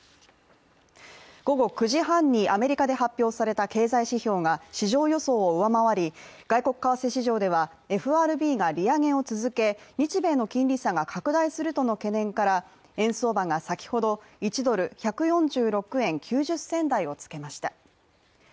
午後９時半にアメリカで発表された経済指標が市場予想を上回り外国為替市場では、ＦＲＢが利上げを続け、日米の金利差が拡大するとの懸念から円相場が先ほど１ドル＝１４６円９０銭台をつけました。